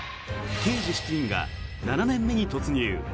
「刑事７人」が７年目に突入！